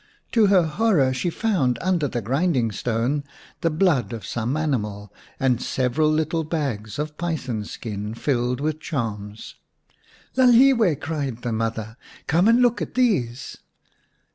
To her horror she found under the grinding stone the blood of some animal and several little bags of python skin filled with charms. " Lalhiwe !" cried the mother, " come and look at these